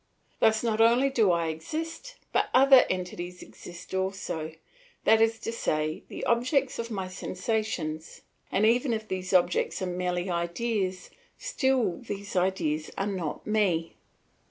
Thus, not only do I exist, but other entities exist also, that is to say, the objects of my sensations; and even if these objects are merely ideas, still these ideas are not me.